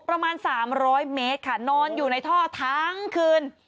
ประมาณ๓๐๐เมตรค่ะนอนอยู่ในท่อทั้งคืน